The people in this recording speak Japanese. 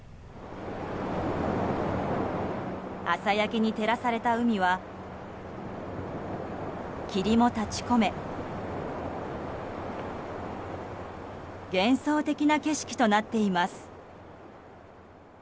朝焼けに照らされた海は霧も立ち込め幻想的な景色となっています。